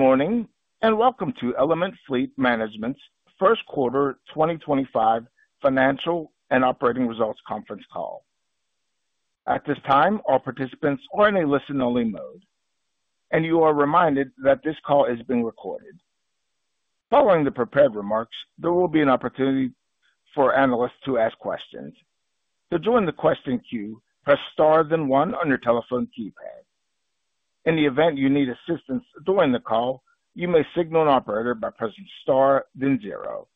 Good morning and welcome to Element Fleet Management's First Quarter 2025 Financial and Operating Results Conference Call. At this time, all participants are in a listen-only mode, and you are reminded that this call is being recorded. Following the prepared remarks, there will be an opportunity for analysts to ask questions. To join the question queue, press star then one on your telephone keypad. In the event you need assistance during the call, you may signal an operator by pressing star then zero.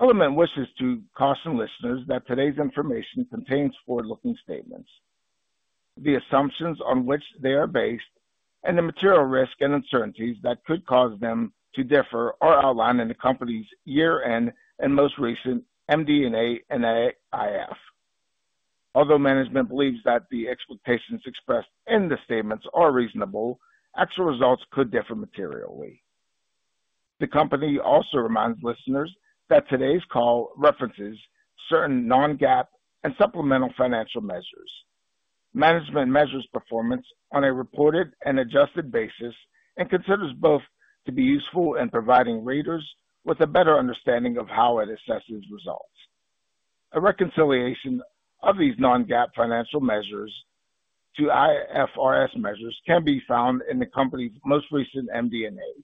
Element wishes to caution listeners that today's information contains forward-looking statements. The assumptions on which they are based and the material risks and uncertainties that could cause them to differ are outlined in the company's year-end and most recent MD&A and AIF. Although management believes that the expectations expressed in the statements are reasonable, actual results could differ materially. The company also reminds listeners that today's call references certain Non-GAAP and supplemental financial measures. Management measures performance on a reported and adjusted basis and considers both to be useful in providing readers with a better understanding of how it assesses results. A reconciliation of these Non-GAAP financial measures to IFRS measures can be found in the company's most recent MD&A.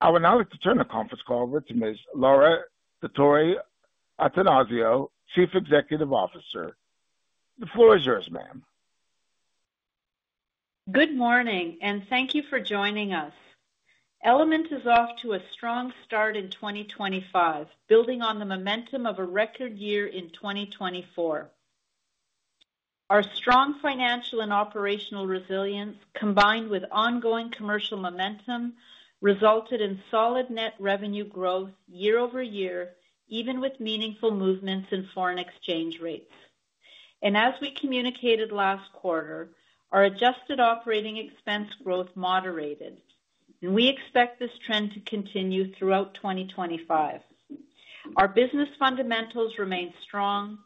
I will now turn the conference call over to Ms. Laura Dottori-Attanasio, Chief Executive Officer. The floor is yours, ma'am. Good morning, and thank you for joining us. Element is off to a strong start in 2025, building on the momentum of a record year in 2024. Our strong financial and operational resilience, combined with ongoing commercial momentum, resulted in solid net revenue growth year-over-year, even with meaningful movements in foreign exchange rates. As we communicated last quarter, our adjusted operating expense growth moderated, and we expect this trend to continue throughout 2025. Our business fundamentals remain strong.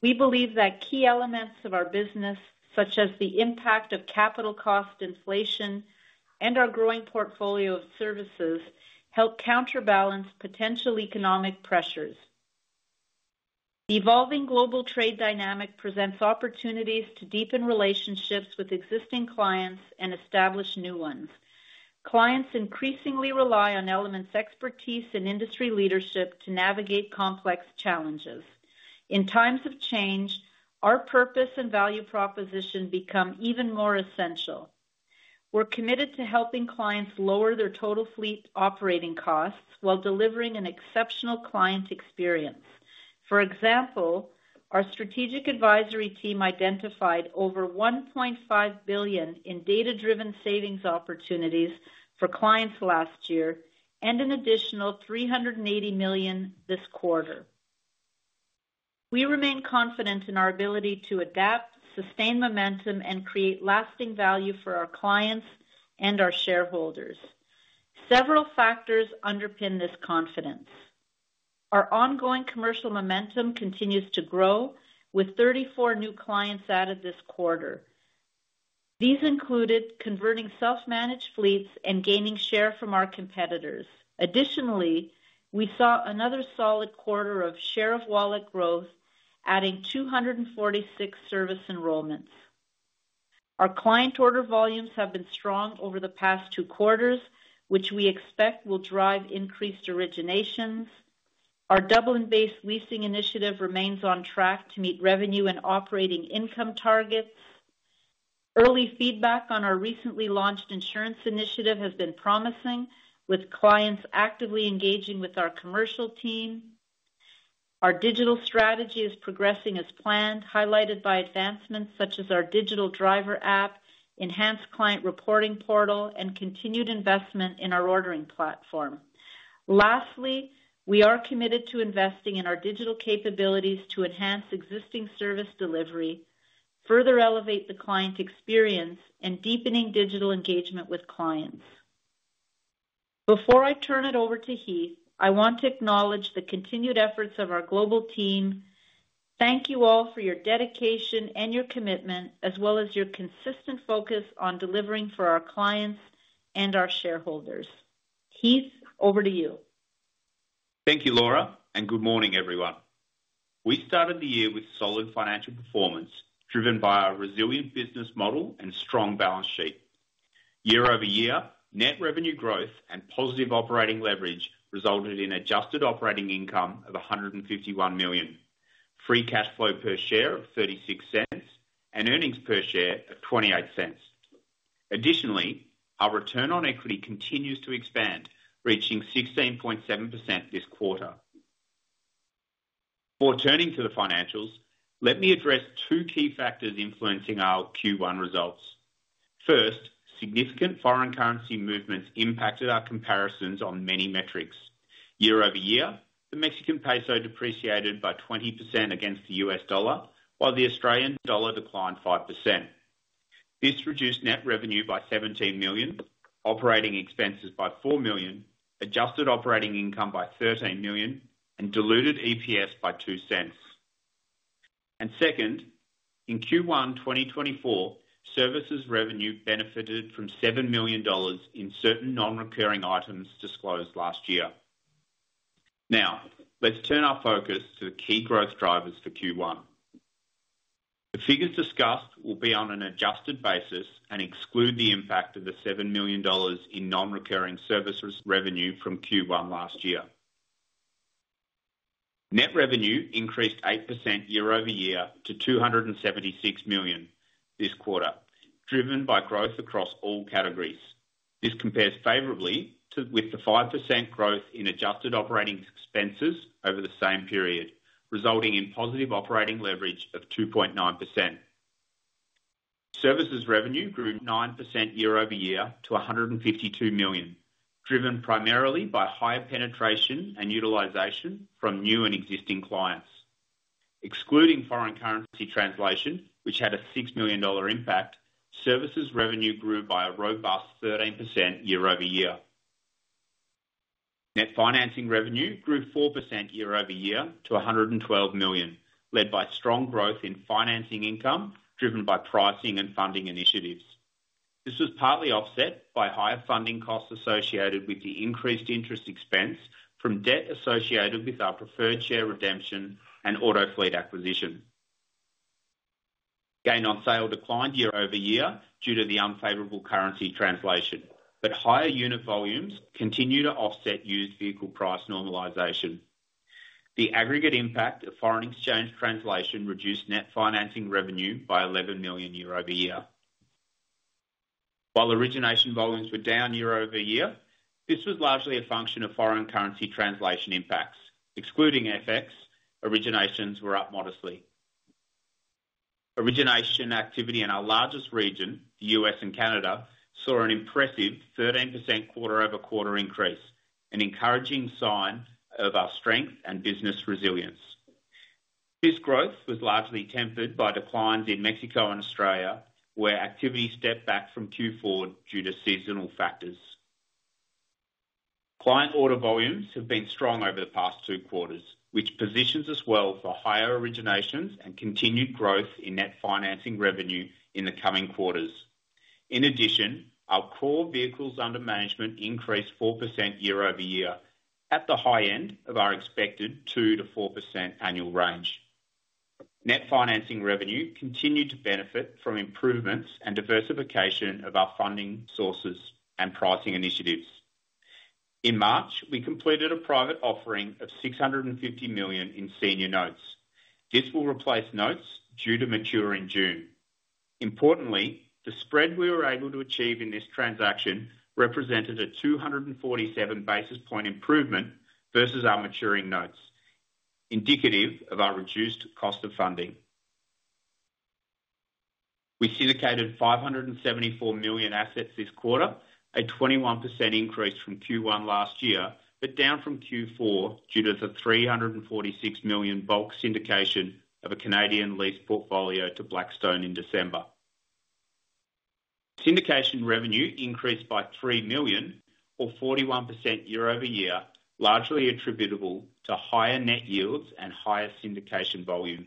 We believe that key elements of our business, such as the impact of capital cost inflation and our growing portfolio of services, help counterbalance potential economic pressures. The evolving global trade dynamic presents opportunities to deepen relationships with existing clients and establish new ones. Clients increasingly rely on Element's expertise and industry leadership to navigate complex challenges. In times of change, our purpose and value proposition become even more essential. We're committed to helping clients lower their total fleet operating costs while delivering an exceptional client experience. For example, our strategic advisory team identified over $1.5 billion in data-driven savings opportunities for clients last year and an additional $380 million this quarter. We remain confident in our ability to adapt, sustain momentum, and create lasting value for our clients and our shareholders. Several factors underpin this confidence. Our ongoing commercial momentum continues to grow, with 34 new clients added this quarter. These included converting self-managed fleets and gaining share from our competitors. Additionally, we saw another solid quarter of share of wallet growth, adding 246 service enrollments. Our client order volumes have been strong over the past two quarters, which we expect will drive increased originations. Our Dublin-based leasing initiative remains on track to meet revenue and operating income targets. Early feedback on our recently launched insurance initiative has been promising, with clients actively engaging with our commercial team. Our digital strategy is progressing as planned, highlighted by advancements such as our digital driver app, enhanced client reporting portal, and continued investment in our ordering platform. Lastly, we are committed to investing in our digital capabilities to enhance existing service delivery, further elevate the client experience, and deepening digital engagement with clients. Before I turn it over to Heath, I want to acknowledge the continued efforts of our global team. Thank you all for your dedication and your commitment, as well as your consistent focus on delivering for our clients and our shareholders. Heath, over to you. Thank you, Laura, and good morning, everyone. We started the year with solid financial performance driven by our resilient business model and strong balance sheet. Year-over-year, net revenue growth and positive operating leverage resulted in adjusted operating income of $151 million, free cash flow per share of $0.36, and earnings per share of $0.28. Additionally, our return on equity continues to expand, reaching 16.7% this quarter. Before turning to the financials, let me address two key factors influencing our Q1 results. First, significant foreign currency movements impacted our comparisons on many metrics. Year-over-year, the Mexican peso depreciated by 20% against the U.S. dollar, while the Australian dollar declined 5%. This reduced net revenue by $17 million, operating expenses by $4 million, adjusted operating income by $13 million, and diluted EPS by $0.02. In Q1 2024, services revenue benefited from $7 million in certain non-recurring items disclosed last year. Now, let's turn our focus to the key growth drivers for Q1. The figures discussed will be on an adjusted basis and exclude the impact of the $7 million in non-recurring service revenue from Q1 last year. Net revenue increased 8% year-over-year to $276 million this quarter, driven by growth across all categories. This compares favorably with the 5% growth in adjusted operating expenses over the same period, resulting in positive operating leverage of 2.9%. Services revenue grew 9% year-over-year to $152 million, driven primarily by higher penetration and utilization from new and existing clients. Excluding foreign currency translation, which had a $6 million impact, services revenue grew by a robust 13% year-over-year. Net financing revenue grew 4% year-over-year to $112 million, led by strong growth in financing income driven by pricing and funding initiatives. This was partly offset by higher funding costs associated with the increased interest expense from debt associated with our preferred share redemption and Autofleet acquisition. Gain on sale declined year-over-year due to the unfavorable currency translation, but higher unit volumes continue to offset used vehicle price normalization. The aggregate impact of foreign exchange translation reduced net financing revenue by $11 million year-over-year. While origination volumes were down year-over-year, this was largely a function of foreign currency translation impacts. Excluding FX, originations were up modestly. Origination activity in our largest region, the U.S. and Canada, saw an impressive 13% quarter-over-quarter increase, an encouraging sign of our strength and business resilience. This growth was largely tempered by declines in Mexico and Australia, where activity stepped back from Q4 due to seasonal factors. Client order volumes have been strong over the past two quarters, which positions us well for higher originations and continued growth in net financing revenue in the coming quarters. In addition, our core vehicles under management increased 4% year-over-year, at the high end of our expected 2%-4% annual range. Net financing revenue continued to benefit from improvements and diversification of our funding sources and pricing initiatives. In March, we completed a private offering of $650 million in senior notes. This will replace notes due to mature in June. Importantly, the spread we were able to achieve in this transaction represented a 247 basis point improvement versus our maturing notes, indicative of our reduced cost of funding. We syndicated $574 million assets this quarter, a 21% increase from Q1 last year, but down from Q4 due to the $346 million bulk syndication of a Canadian lease portfolio to Blackstone in December. Syndication revenue increased by $3 million, or 41% year-over-year, largely attributable to higher net yields and higher syndication volume.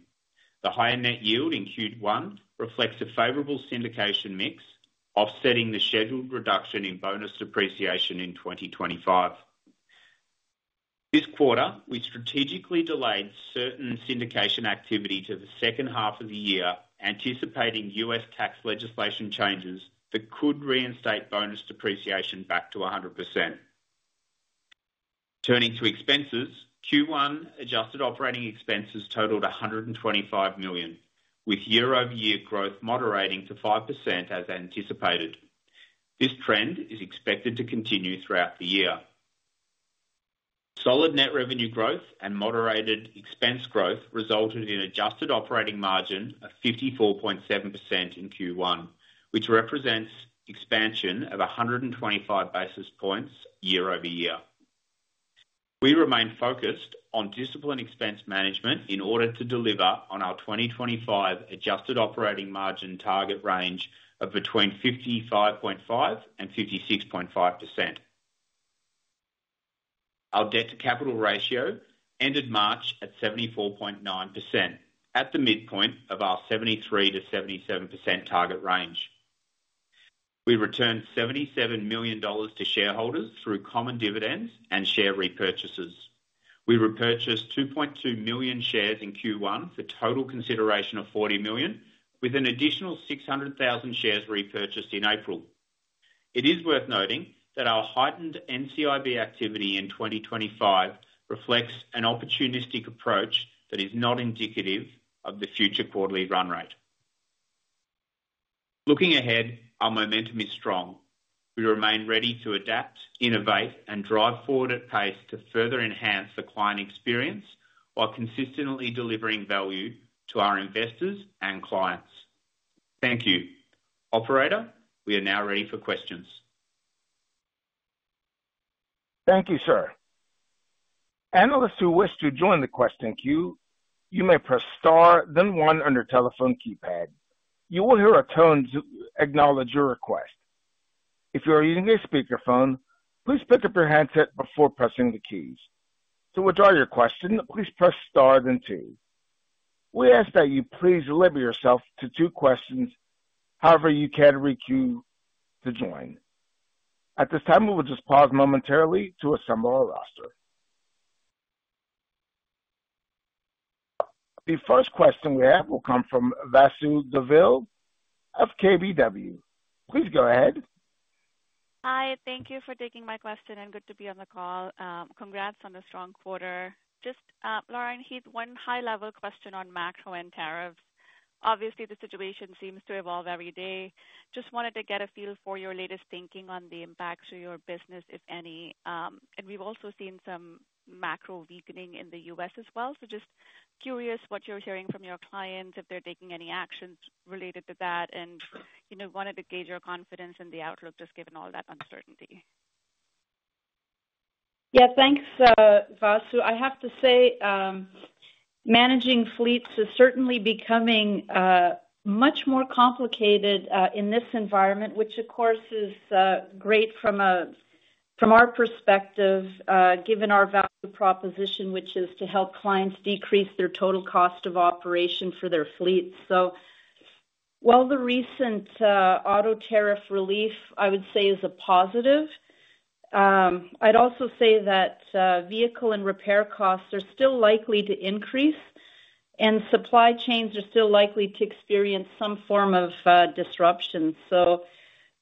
The higher net yield in Q1 reflects a favorable syndication mix, offsetting the scheduled reduction in bonus depreciation in 2025. This quarter, we strategically delayed certain syndication activity to the second half of the year, anticipating U.S. tax legislation changes that could reinstate bonus depreciation back to 100%. Turning to expenses, Q1 adjusted operating expenses totaled $125 million, with year-over-year growth moderating to 5% as anticipated. This trend is expected to continue throughout the year. Solid net revenue growth and moderated expense growth resulted in adjusted operating margin of 54.7% in Q1, which represents expansion of 125 basis points year-over-year. We remain focused on discipline expense management in order to deliver on our 2025 adjusted operating margin target range of 55.5%-56.5%. Our debt-to-capital ratio ended March at 74.9%, at the midpoint of our 73%-77% target range. We returned $77 million to shareholders through common dividends and share repurchases. We repurchased 2.2 million shares in Q1 for a total consideration of $40 million, with an additional 600,000 shares repurchased in April. It is worth noting that our heightened NCIB activity in 2025 reflects an opportunistic approach that is not indicative of the future quarterly run rate. Looking ahead, our momentum is strong. We remain ready to adapt, innovate, and drive forward at pace to further enhance the client experience while consistently delivering value to our investors and clients. Thank you. Operator, we are now ready for questions. Thank you, sir. Analysts who wish to join the Question Queue, you may press star, then one on your telephone keypad. You will hear a tone to acknowledge your request. If you are using a speakerphone, please pick up your handset before pressing the keys. To withdraw your question, please press star, then two. We ask that you please limit yourself to two questions, however you can requeue to join. At this time, we will just pause momentarily to assemble our roster. The first question we have will come from Vasu Govil of KBW. Please go ahead. Hi. Thank you for taking my question, and good to be on the call. Congrats on a strong quarter. Just, Laura, and Heath, one high-level question on macro and tariffs. Obviously, the situation seems to evolve every day. Just wanted to get a feel for your latest thinking on the impacts to your business, if any. We have also seen some macro weakening in the U.S. as well. Just curious what you're hearing from your clients, if they're taking any actions related to that, and wanted to gauge your confidence in the outlook just given all that uncertainty. Yeah, thanks, Vasu. I have to say, managing fleets is certainly becoming much more complicated in this environment, which, of course, is great from our perspective, given our value proposition, which is to help clients decrease their total cost of operation for their fleets. While the recent auto tariff relief, I would say, is a positive, I'd also say that vehicle and repair costs are still likely to increase, and supply chains are still likely to experience some form of disruption.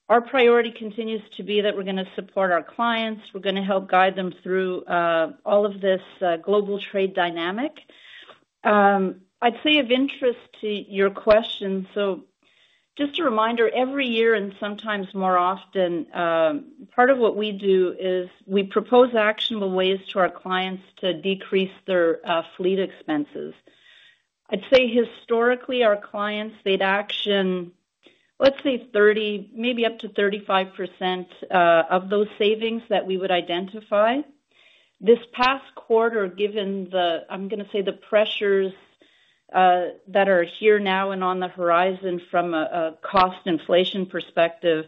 Our priority continues to be that we're going to support our clients. We're going to help guide them through all of this global trade dynamic. I'd say of interest to your question, just a reminder, every year and sometimes more often, part of what we do is we propose actionable ways to our clients to decrease their fleet expenses. I'd say historically, our clients, they'd action, let's say, 30%-35% of those savings that we would identify. This past quarter, given the, I'm going to say, the pressures that are here now and on the horizon from a cost inflation perspective,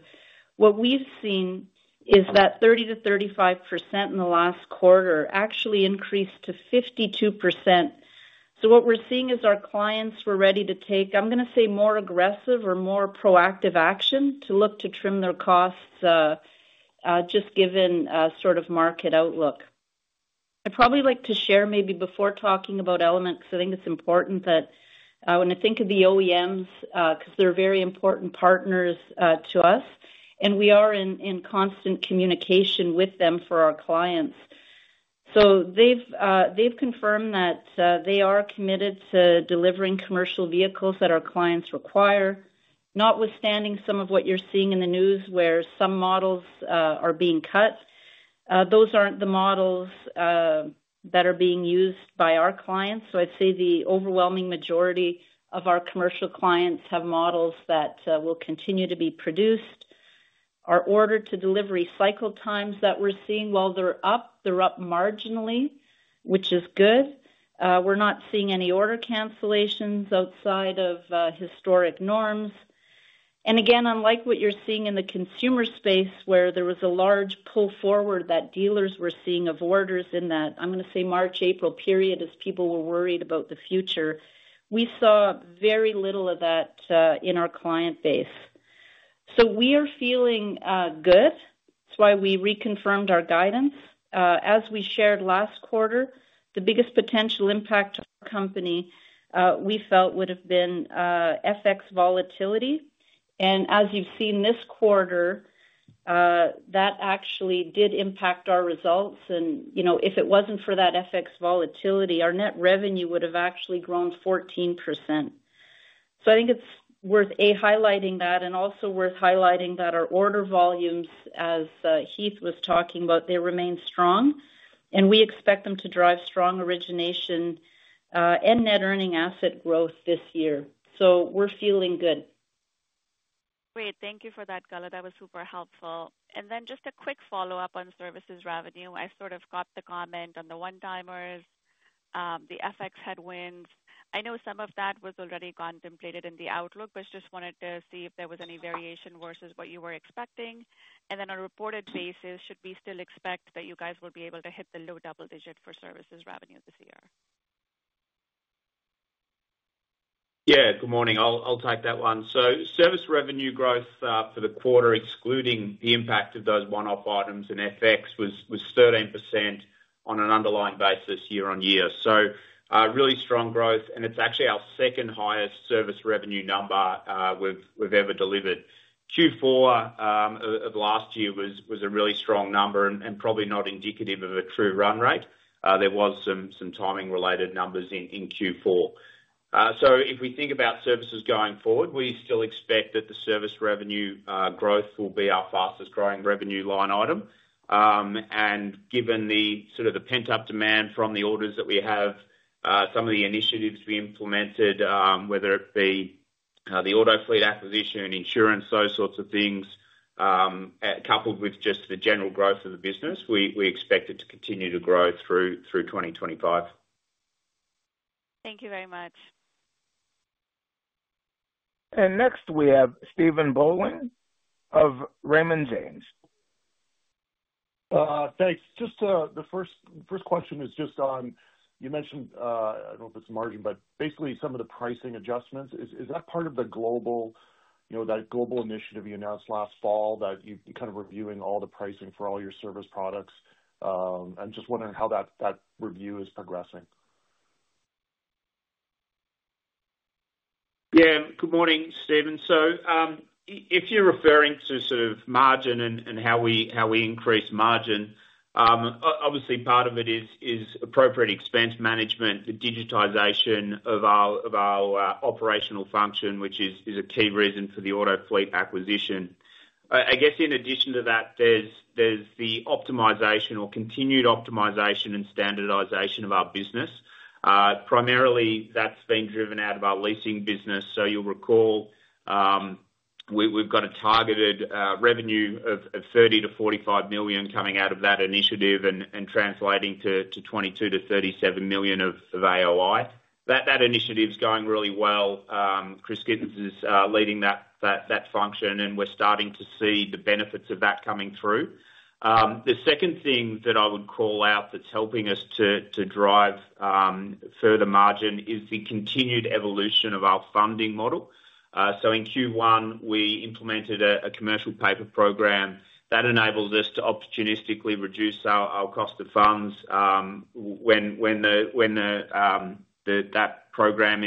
what we've seen is that 30%-35% in the last quarter actually increased to 52%. What we're seeing is our clients were ready to take, I'm going to say, more aggressive or more proactive action to look to trim their costs, just given sort of market outlook. I'd probably like to share maybe before talking about Element's, I think it's important that when I think of the OEMs, because they're very important partners to us, and we are in constant communication with them for our clients. They have confirmed that they are committed to delivering commercial vehicles that our clients require, notwithstanding some of what you are seeing in the news where some models are being cut. Those are not the models that are being used by our clients. I would say the overwhelming majority of our commercial clients have models that will continue to be produced. Our order-to-delivery cycle times that we are seeing, while they are up, they are up marginally, which is good. We are not seeing any order cancellations outside of historic norms. Again, unlike what you are seeing in the consumer space, where there was a large pull forward that dealers were seeing of orders in that, I am going to say, March-April period, as people were worried about the future, we saw very little of that in our client base. We are feeling good. That is why we reconfirmed our guidance. As we shared last quarter, the biggest potential impact on our company, we felt, would have been FX volatility. As you have seen this quarter, that actually did impact our results. If it was not for that FX volatility, our net revenue would have actually grown 14%. I think it is worth highlighting that, and also worth highlighting that our order volumes, as Heath was talking about, they remain strong, and we expect them to drive strong origination and net earning asset growth this year. We are feeling good. Great. Thank you for that, Got it. That was super helpful. Just a quick follow-up on services revenue. I sort of caught the comment on the one-timers, the FX headwinds. I know some of that was already contemplated in the outlook, but just wanted to see if there was any variation versus what you were expecting. On a reported basis, should we still expect that you guys will be able to hit the low double digit for services revenue this year? Yeah. Good morning. I'll take that one. Service revenue growth for the quarter, excluding the impact of those one-off items and FX, was 13% on an underlying basis year on year. Really strong growth. It's actually our second highest service revenue number we've ever delivered. Q4 of last year was a really strong number and probably not indicative of a true run rate. There were some timing-related numbers in Q4. If we think about services going forward, we still expect that the service revenue growth will be our fastest-growing revenue line item. Given the sort of pent-up demand from the orders that we have, some of the initiatives we implemented, whether it be the Autofleet acquisition, insurance, those sorts of things, coupled with just the general growth of the business, we expect it to continue to grow through 2025. Thank you very much. Next, we have Stephen Boland of Raymond James. Thanks. Just the first question is just on, you mentioned, I do not know if it is margin, but basically some of the pricing adjustments. Is that part of the global initiative you announced last fall that you are kind of reviewing all the pricing for all your service products? I am just wondering how that review is progressing. Yeah. Good morning, Stephen. If you're referring to sort of margin and how we increase margin, obviously part of it is appropriate expense management, the digitization of our operational function, which is a key reason for the Autofleet acquisition. I guess in addition to that, there's the optimization or continued optimization and standardization of our business. Primarily, that's been driven out of our leasing business. You'll recall we've got a targeted revenue of $30 million-$45 million coming out of that initiative and translating to $22 million-$37 million of AOI. That initiative's going really well. Chris Gittens is leading that function, and we're starting to see the benefits of that coming through. The second thing that I would call out that's helping us to drive further margin is the continued evolution of our funding model. In Q1, we implemented a commercial paper program that enables us to opportunistically reduce our cost of funds when that program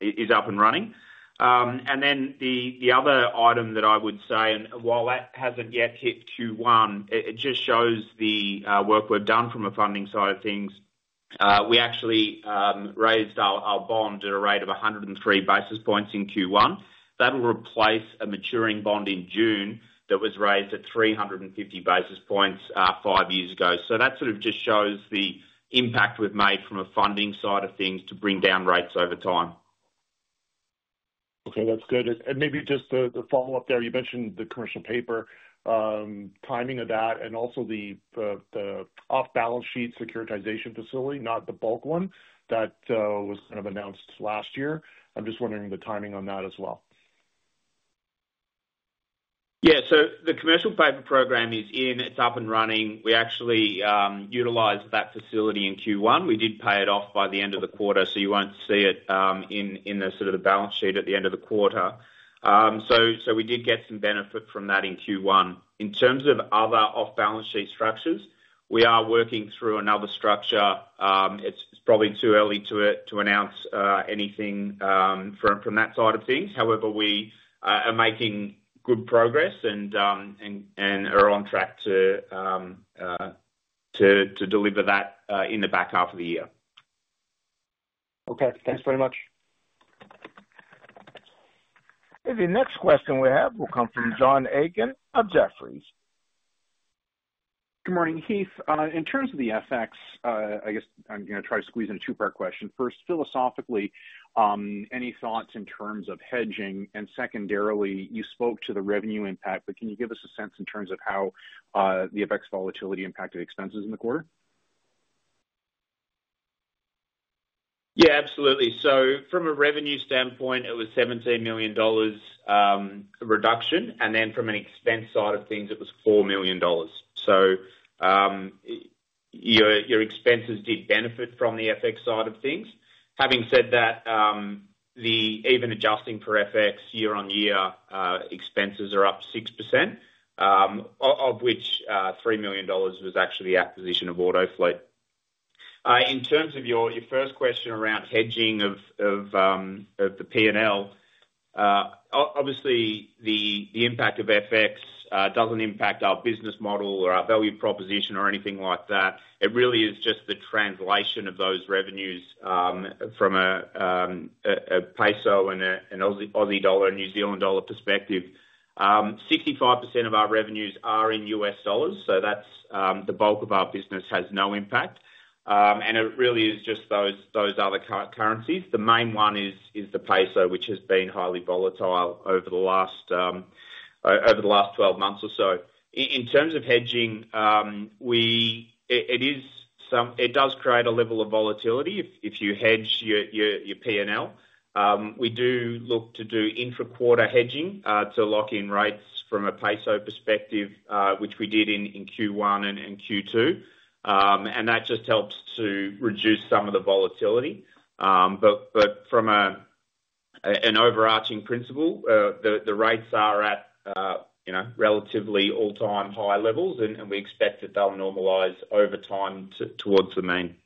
is up and running. The other item that I would say, and while that has not yet hit Q1, it just shows the work we have done from a funding side of things. We actually raised our bond at a rate of 103 basis points in Q1. That will replace a maturing bond in June that was raised at 350 basis points five years ago. That just shows the impact we have made from a funding side of things to bring down rates over time. Okay. That's good. Maybe just the follow-up there. You mentioned the commercial paper timing of that and also the off-balance sheet securitization facility, not the bulk one that was kind of announced last year. I'm just wondering the timing on that as well. Yeah. The commercial paper program is in. It's up and running. We actually utilized that facility in Q1. We did pay it off by the end of the quarter, so you won't see it in sort of the balance sheet at the end of the quarter. We did get some benefit from that in Q1. In terms of other off-balance sheet structures, we are working through another structure. It's probably too early to announce anything from that side of things. However, we are making good progress and are on track to deliver that in the back half of the year. Okay. Thanks very much. The next question we have will come from John Aiken of Jefferies. Good morning, Heath. In terms of the FX, I guess I'm going to try to squeeze in a two-part question. First, philosophically, any thoughts in terms of hedging? And secondarily, you spoke to the revenue impact, but can you give us a sense in terms of how the FX volatility impacted expenses in the quarter? Yeah, absolutely. From a revenue standpoint, it was a $17 million reduction. From an expense side of things, it was $4 million. Your expenses did benefit from the FX side of things. Having said that, even adjusting for FX year-on-year, expenses are up 6%, of which $3 million was actually the acquisition of Autofleet. In terms of your first question around hedging of the P&L, obviously, the impact of FX does not impact our business model or our value proposition or anything like that. It really is just the translation of those revenues from a peso and an Australian dollar, New Zealand dollar perspective. 65% of our revenues are in U.S. dollars, so the bulk of our business has no impact. It really is just those other currencies. The main one is the peso, which has been highly volatile over the last 12 months or so. In terms of hedging, it does create a level of volatility if you hedge your P&L. We do look to do intra-quarter hedging to lock in rates from a peso perspective, which we did in Q1 and Q2. That just helps to reduce some of the volatility. From an overarching principle, the rates are at relatively all-time high levels, and we expect that they'll normalize over time towards the mean.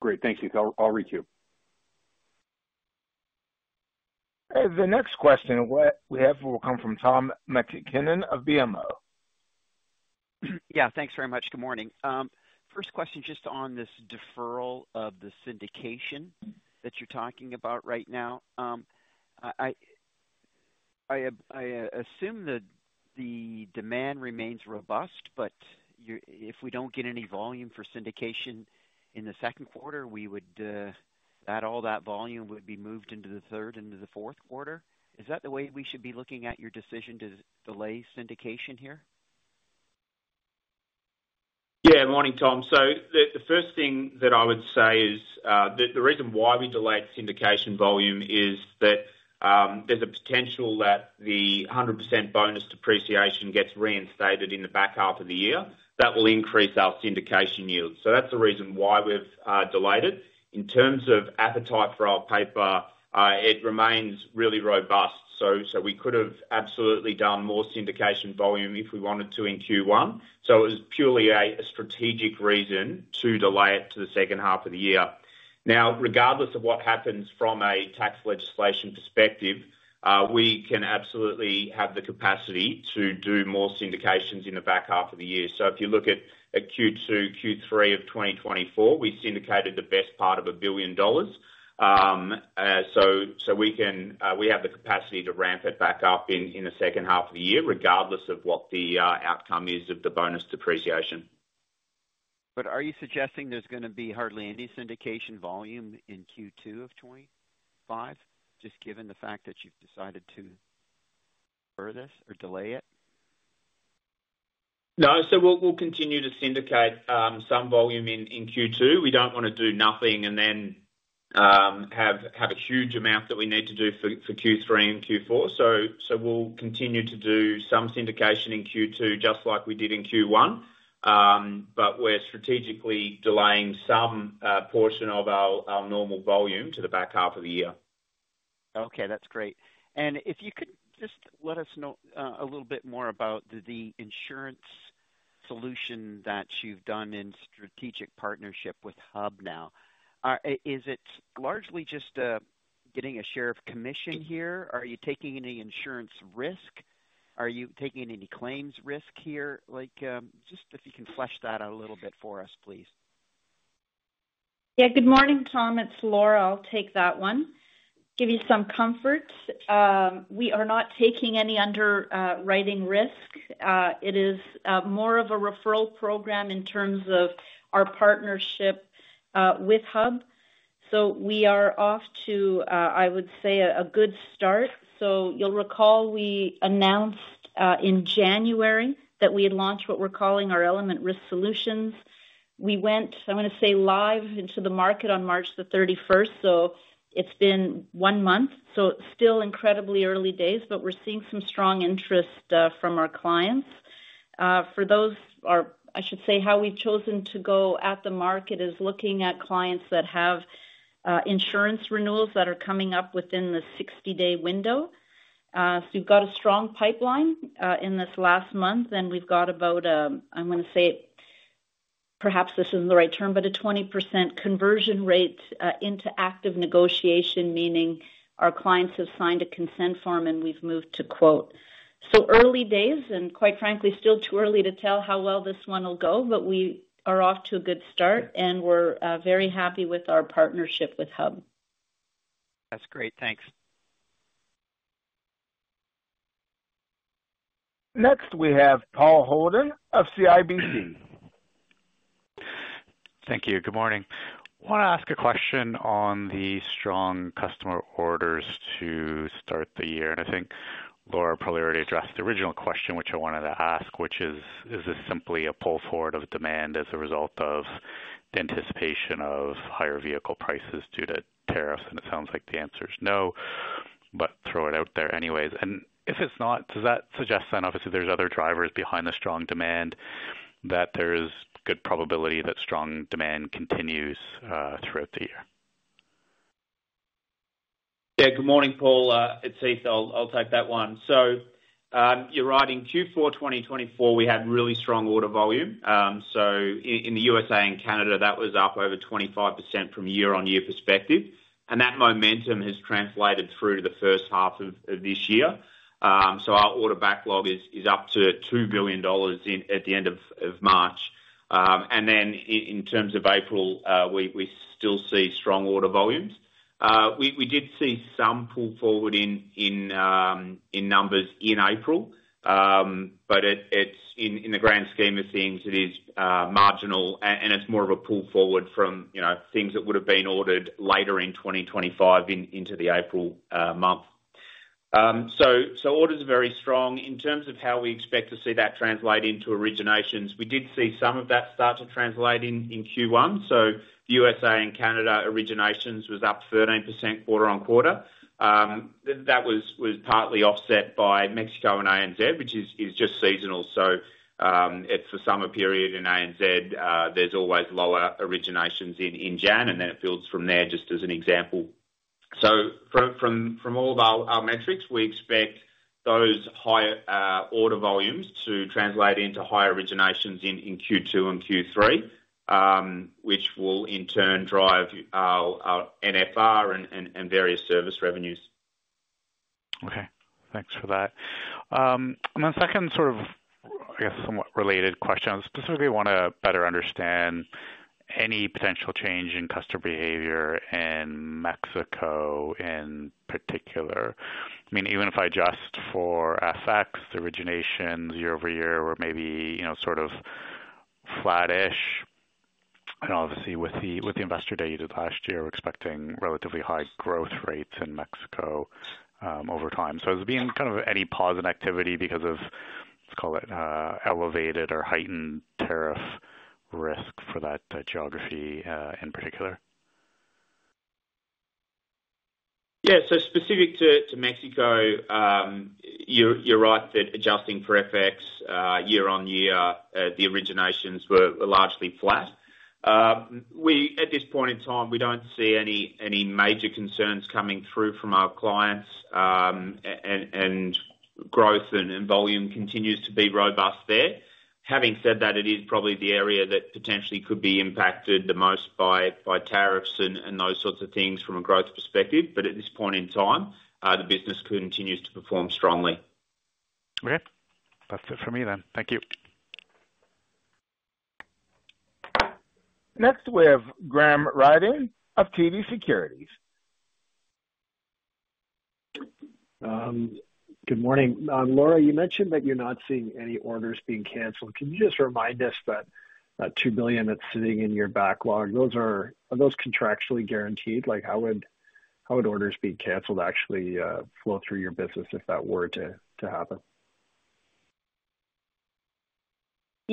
Great. Thank you. I'll read to you. The next question we have will come from Tom McKinnon of BMO. Yeah. Thanks very much. Good morning. First question just on this deferral of the syndication that you're talking about right now. I assume that the demand remains robust, but if we don't get any volume for syndication in the second quarter, all that volume would be moved into the third and into the fourth quarter. Is that the way we should be looking at your decision to delay syndication here? Yeah. Morning, Tom. The first thing that I would say is the reason why we delayed syndication volume is that there's a potential that the 100% bonus depreciation gets reinstated in the back half of the year. That will increase our syndication yield. That's the reason why we've delayed it. In terms of appetite for our paper, it remains really robust. We could have absolutely done more syndication volume if we wanted to in Q1. It was purely a strategic reason to delay it to the second half of the year. Now, regardless of what happens from a tax legislation perspective, we absolutely have the capacity to do more syndications in the back half of the year. If you look at Q2, Q3 of 2024, we syndicated the best part of a billion dollars. We have the capacity to ramp it back up in the second half of the year, regardless of what the outcome is of the bonus depreciation. Are you suggesting there's going to be hardly any syndication volume in Q2 of 2025, just given the fact that you've decided to defer this or delay it? No. We will continue to syndicate some volume in Q2. We do not want to do nothing and then have a huge amount that we need to do for Q3 and Q4. We will continue to do some syndication in Q2 just like we did in Q1, but we are strategically delaying some portion of our normal volume to the back half of the year. Okay. That's great. If you could just let us know a little bit more about the insurance solution that you've done in strategic partnership with Hub International. Is it largely just getting a share of commission here? Are you taking any insurance risk? Are you taking any claims risk here? Just if you can flesh that out a little bit for us, please. Yeah. Good morning, Tom. It's Laura. I'll take that one. Give you some comfort. We are not taking any underwriting risk. It is more of a referral program in terms of our partnership with Hub. We are off to, I would say, a good start. You'll recall we announced in January that we had launched what we're calling our Element Risk Solutions. We went, I want to say, live into the market on March 31st. It's been one month. Still incredibly early days, but we're seeing some strong interest from our clients. For those, I should say how we've chosen to go at the market is looking at clients that have insurance renewals that are coming up within the 60-day window. We've got a strong pipeline in this last month, and we've got about, I want to say, perhaps this isn't the right term, but a 20% conversion rate into active negotiation, meaning our clients have signed a consent form and we've moved to quote. Early days, and quite frankly, still too early to tell how well this one will go, but we are off to a good start, and we're very happy with our partnership with Hub. That's great. Thanks. Next, we have Paul Holden of CIBC. Thank you. Good morning. I want to ask a question on the strong customer orders to start the year. I think Laura probably already addressed the original question, which I wanted to ask, which is, is this simply a pull forward of demand as a result of the anticipation of higher vehicle prices due to tariffs? It sounds like the answer is no, but I throw it out there anyways. If it's not, does that suggest then obviously there's other drivers behind the strong demand, that there's good probability that strong demand continues throughout the year? Yeah. Good morning, Paul. It's Heath. I'll take that one. You're right. In Q4 2024, we had really strong order volume. In the U.S. and Canada, that was up over 25% from a year-on-year perspective. That momentum has translated through to the first half of this year. Our order backlog is up to $2 billion at the end of March. In terms of April, we still see strong order volumes. We did see some pull forward in numbers in April, but in the grand scheme of things, it is marginal, and it's more of a pull forward from things that would have been ordered later in 2025 into the April month. Orders are very strong. In terms of how we expect to see that translate into originations, we did see some of that start to translate in Q1. USA and Canada originations was up 13% quarter on quarter. That was partly offset by Mexico and ANZ, which is just seasonal. For summer period in ANZ, there's always lower originations in January, and then it builds from there just as an example. From all of our metrics, we expect those higher order volumes to translate into higher originations in Q2 and Q3, which will in turn drive our NFR and various service revenues. Okay. Thanks for that. The second sort of, I guess, somewhat related question. I specifically want to better understand any potential change in customer behavior in Mexico in particular. I mean, even if I just for FX, originations year-over-year were maybe sort of flatish. Obviously, with the investor data last year, we are expecting relatively high growth rates in Mexico over time. Has there been kind of any pause in activity because of, let's call it, elevated or heightened tariff risk for that geography in particular? Yeah. Specific to Mexico, you're right that adjusting for FX year-on-year, the originations were largely flat. At this point in time, we don't see any major concerns coming through from our clients, and growth and volume continues to be robust there. Having said that, it is probably the area that potentially could be impacted the most by tariffs and those sorts of things from a growth perspective. At this point in time, the business continues to perform strongly. Okay. That's it from me then. Thank you. Next, we have Graham Ryding of TD Securities. Good morning. Laura, you mentioned that you're not seeing any orders being canceled. Can you just remind us that $2 billion that's sitting in your backlog, are those contractually guaranteed? How would orders being canceled actually flow through your business if that were to happen?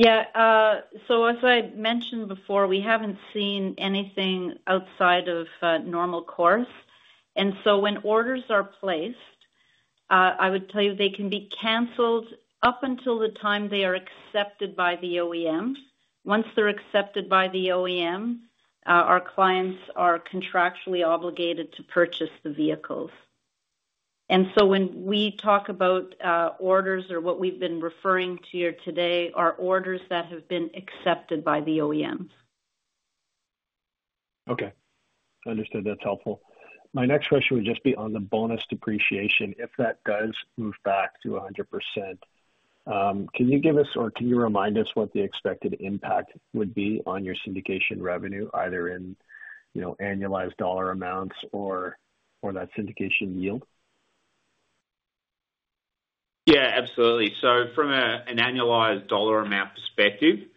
Yeah. As I mentioned before, we haven't seen anything outside of normal course. When orders are placed, I would tell you they can be canceled up until the time they are accepted by the OEM. Once they're accepted by the OEM, our clients are contractually obligated to purchase the vehicles. When we talk about orders or what we've been referring to here today, these are orders that have been accepted by the OEM. Okay. Understood. That's helpful. My next question would just be on the bonus depreciation. If that does move back to 100%, can you give us or can you remind us what the expected impact would be on your syndication revenue, either in annualized dollar amounts or that syndication yield? Yeah. Absolutely. From an annualized dollar amount perspective,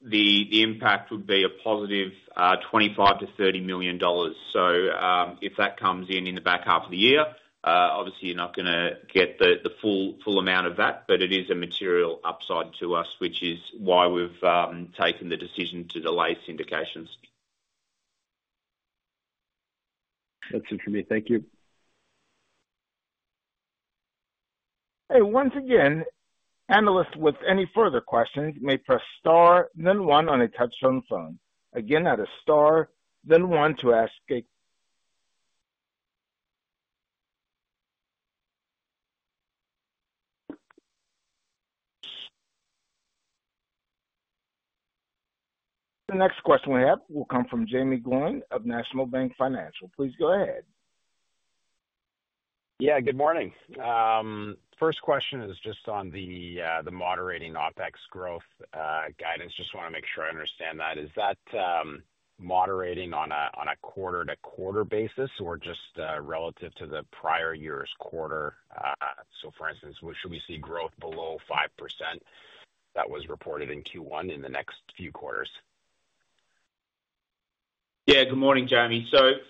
the impact would be a +$25 million-$30 million. If that comes in in the back half of the year, obviously, you are not going to get the full amount of that, but it is a material upside to us, which is why we have taken the decision to delay syndications. That's it from me. Thank you. Once again, Analysts with any further questions may press star then one on a touch-tone phone. Again, that is star then one to ask. The next question we have will come from Jaeme Gloyn of National Bank Financial. Please go ahead. Yeah. Good morning. First question is just on the moderating OpEx growth guidance. Just want to make sure I understand that. Is that moderating on a quarter-to-quarter basis or just relative to the prior year's quarter? For instance, should we see growth below 5% that was reported in Q1 in the next few quarters? Yeah. Good morning, Jaeme.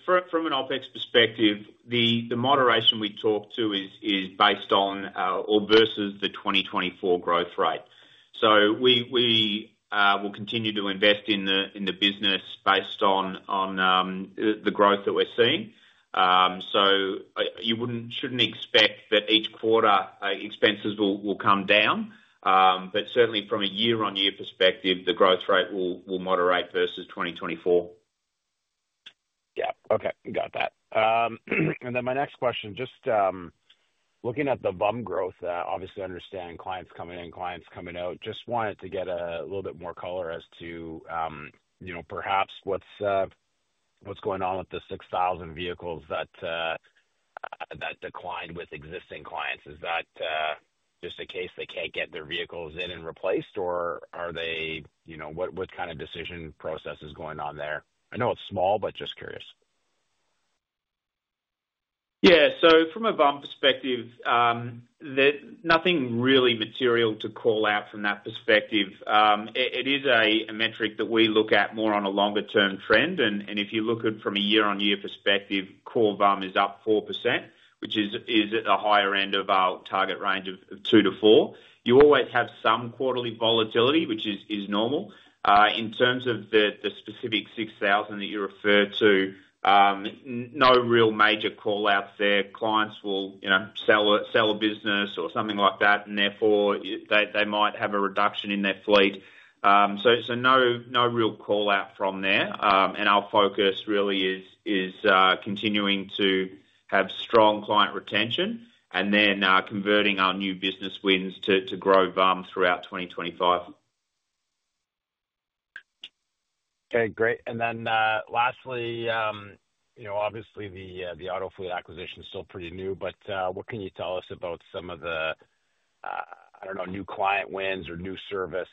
From an OpEx perspective, the moderation we talk to is based on or versus the 2024 growth rate. We will continue to invest in the business based on the growth that we're seeing. You shouldn't expect that each quarter expenses will come down. Certainly, from a year-on-year perspective, the growth rate will moderate versus 2024. Yeah. Okay. Got that. My next question, just looking at the VUM growth, obviously understanding clients coming in, clients coming out, just wanted to get a little bit more color as to perhaps what's going on with the 6,000 vehicles that declined with existing clients. Is that just a case they can't get their vehicles in and replaced, or are they what kind of decision process is going on there? I know it's small, but just curious. Yeah. From a VUM perspective, nothing really material to call out from that perspective. It is a metric that we look at more on a longer-term trend. If you look at from a year-on-year perspective, core VUM is up 4%, which is at the higher end of our target range of 2%-4%. You always have some quarterly volatility, which is normal. In terms of the specific 6,000 that you referred to, no real major callouts there. Clients will sell a business or something like that, and therefore, they might have a reduction in their fleet. No real callout from there. Our focus really is continuing to have strong client retention and then converting our new business wins to grow VUM throughout 2025. Okay. Great. Lastly, obviously, the Autofleet acquisition is still pretty new, but what can you tell us about some of the, I don't know, new client wins or new service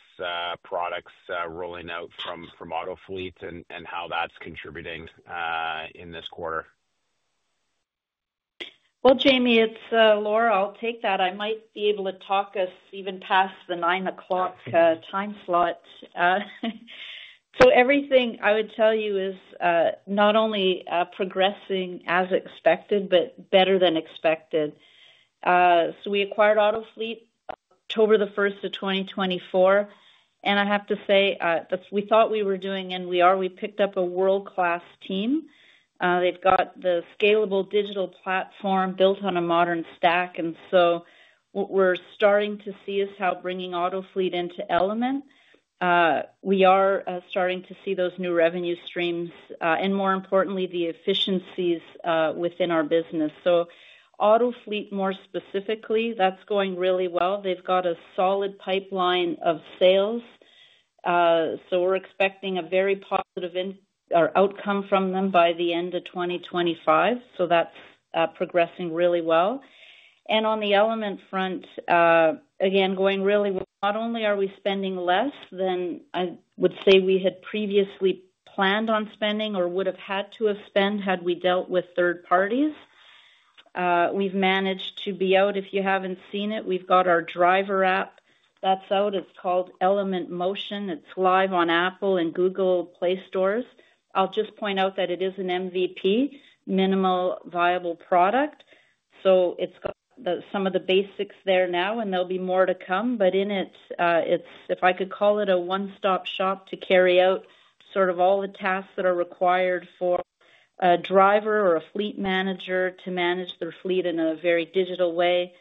products rolling out from Autofleet and how that's contributing in this quarter? Jaeme, it's Laura. I'll take that. I might be able to talk us even past the 9:00 A.M. time slot. Everything I would tell you is not only progressing as expected, but better than expected. We acquired Autofleet October 1, 2024. I have to say, we thought we were doing, and we are. We picked up a world-class team. They've got the scalable digital platform built on a modern stack. What we're starting to see is how bringing Autofleet into Element, we are starting to see those new revenue streams and, more importantly, the efficiencies within our business. Autofleet, more specifically, that's going really well. They've got a solid pipeline of sales. We're expecting a very positive outcome from them by the end of 2025. That's progressing really well. On the Element front, again, going really well, not only are we spending less than I would say we had previously planned on spending or would have had to have spent had we dealt with third parties. We have managed to be out. If you have not seen it, we have got our driver app that is out. It is called Element Motion. It is live on Apple and Google Play Stores. I will just point out that it is an MVP, Minimum Viable Product. It has got some of the basics there now, and there will be more to come. In it, if I could call it a one-stop shop to carry out sort of all the tasks that are required for a driver or a fleet manager to manage their fleet in a very digital way.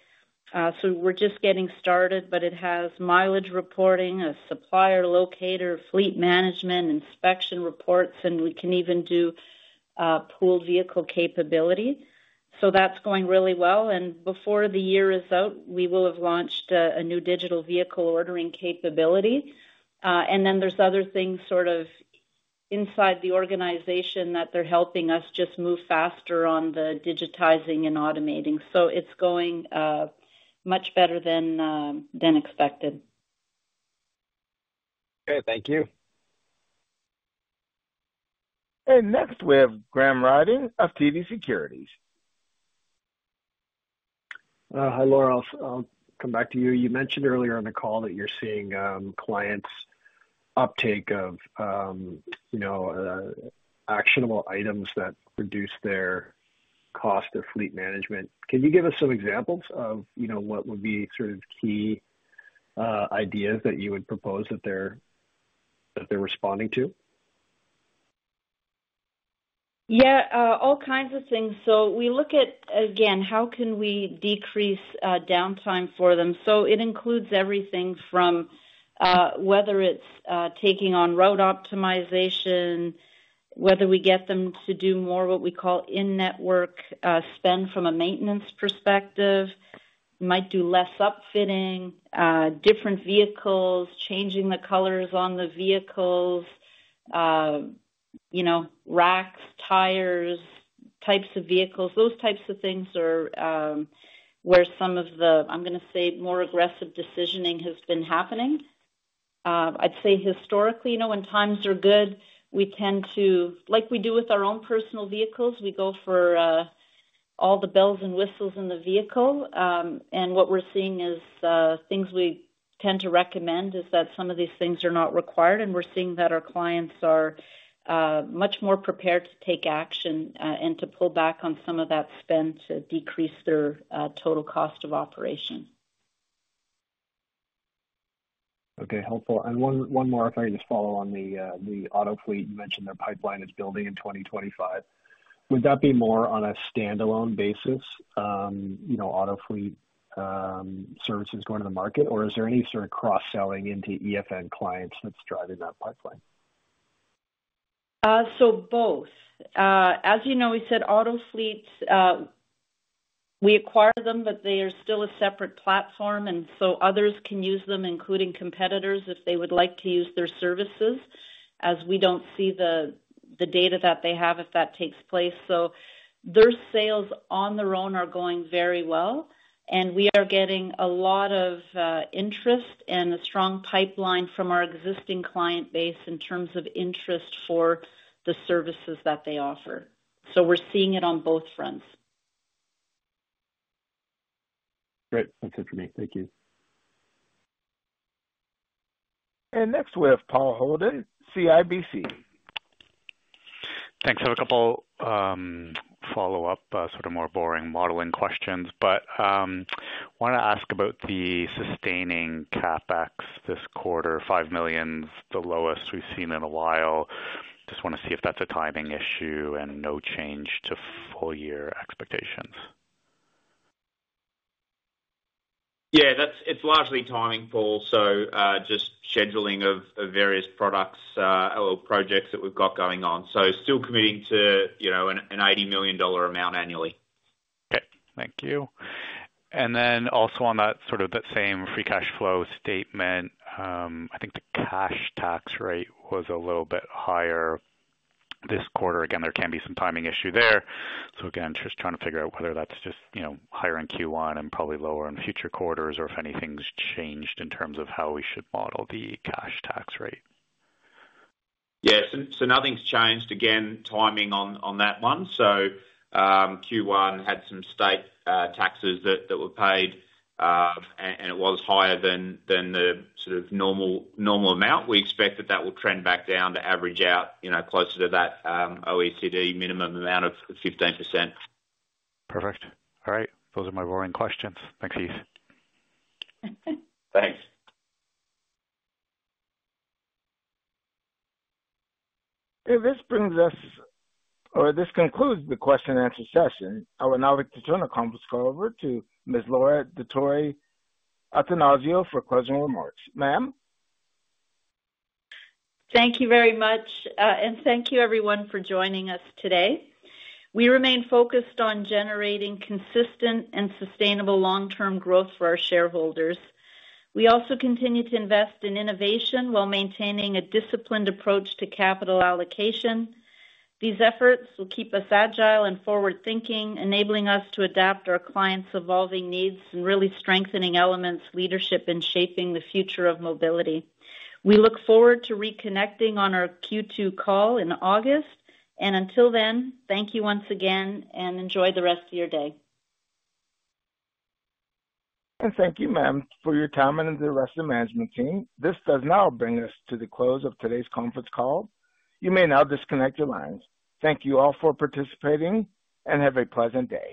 We're just getting started, but it has mileage reporting, a supplier locator, fleet management, inspection reports, and we can even do pooled vehicle capability. That is going really well. Before the year is out, we will have launched a new digital vehicle ordering capability. There are other things sort of inside the organization that are helping us just move faster on the digitizing and automating. It is going much better than expected. Okay. Thank you. Next, we have Graham Ryding of TD Securities. Hi, Laura. I'll come back to you. You mentioned earlier on the call that you're seeing clients uptake of actionable items that reduce their cost of fleet management. Can you give us some examples of what would be sort of key ideas that you would propose that they're responding to? Yeah. All kinds of things. We look at, again, how can we decrease downtime for them? It includes everything from whether it is taking on road optimization, whether we get them to do more what we call in-network spend from a maintenance perspective, might do less upfitting, different vehicles, changing the colors on the vehicles, racks, tires, types of vehicles. Those types of things are where some of the, I am going to say, more aggressive decisioning has been happening. I would say historically, when times are good, we tend to, like we do with our own personal vehicles, we go for all the bells and whistles in the vehicle. What we are seeing is things we tend to recommend is that some of these things are not required. We are seeing that our clients are much more prepared to take action and to pull back on some of that spend to decrease their total cost of operation. Okay. Helpful. One more, if I can just follow on the Autofleet, you mentioned their pipeline is building in 2025. Would that be more on a standalone basis, Autofleet services going to the market, or is there any sort of cross-selling into EFN clients that's driving that pipeline? Both. As you know, we said Autofleet, we acquired them, but they are still a separate platform. Others can use them, including competitors, if they would like to use their services, as we do not see the data that they have if that takes place. Their sales on their own are going very well. We are getting a lot of interest and a strong pipeline from our existing client base in terms of interest for the services that they offer. We are seeing it on both fronts. Great. That's it for me. Thank you. Next, we have Paul Holden, CIBC. Thanks. I have a couple of follow-up, sort of more boring modeling questions, but want to ask about the sustaining CapEx this quarter, $5 million, the lowest we've seen in a while. Just want to see if that's a timing issue and no change to full-year expectations. Yeah. It's largely timing pull, just scheduling of various products or projects that we've got going on. Still committing to an $80 million amount annually. Okay. Thank you. Also, on that sort of that same free cash flow statement, I think the cash tax rate was a little bit higher this quarter. Again, there can be some timing issue there. Just trying to figure out whether that's just higher in Q1 and probably lower in future quarters or if anything's changed in terms of how we should model the cash tax rate. Yeah. Nothing's changed. Again, timing on that one. Q1 had some state taxes that were paid, and it was higher than the sort of normal amount. We expect that will trend back down to average out closer to that OECD minimum amount of 15%. Perfect. All right. Those are my boring questions. Thanks, Heath. Thanks. This brings us or this concludes the question-and-answer session. I would now like to turn the conference call over to Ms. Laura Dottori-Attanasio for closing remarks. Ma'am? Thank you very much. Thank you, everyone, for joining us today. We remain focused on generating consistent and sustainable long-term growth for our shareholders. We also continue to invest in innovation while maintaining a disciplined approach to capital allocation. These efforts will keep us agile and forward-thinking, enabling us to adapt to our clients' evolving needs and really strengthening Element's leadership in shaping the future of mobility. We look forward to reconnecting on our Q2 call in August. Until then, thank you once again, and enjoy the rest of your day. Thank you, ma'am, for your time and the rest of the management team. This does now bring us to the close of today's conference call. You may now disconnect your lines. Thank you all for participating, and have a pleasant day.